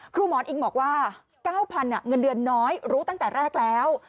หมอนอิงบอกว่า๙๐๐เงินเดือนน้อยรู้ตั้งแต่แรกแล้ว